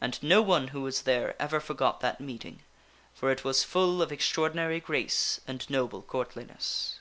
And no one who was there ever forgot that meeting, for it was full of extraordinary grace and noble courtliness.